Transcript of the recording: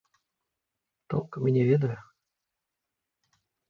Толкам і не ведаю.